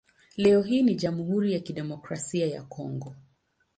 Leo hii ni Jamhuri ya Kidemokrasia ya Kongo.